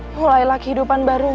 mulailah kehidupan barumu